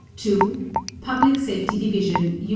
TO : Public Safety Division, U.